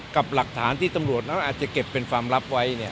กับหลักฐานที่ตำรวจนั้นอาจจะเก็บเป็นความลับไว้